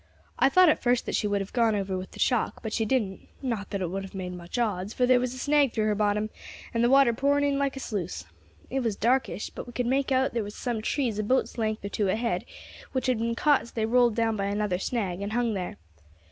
I thought at first that she would have gone over with the shock, but she didn't not that it would have made much odds, for there was a snag through her bottom, and the water pouring in like a sluice. It was darkish, but we could make out there was some trees a boat's length or two ahead which had been caught as they rolled down by another snag, and hung there.